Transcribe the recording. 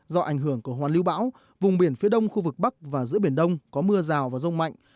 do ảnh hưởng của hoàn lưu bão vùng biển phía đông khu vực bắc và giữa biển đông có mưa rào và rông mạnh